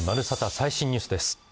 最新ニュースです。